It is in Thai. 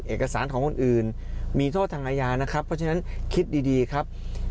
เอกสารของคนอื่นมีโทษทางอาญานะครับเพราะฉะนั้นคิดดีครับ